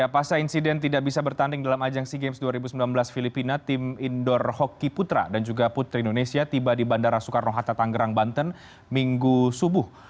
pasca insiden tidak bisa bertanding dalam ajang sea games dua ribu sembilan belas filipina tim indoor hoki putra dan juga putri indonesia tiba di bandara soekarno hatta tanggerang banten minggu subuh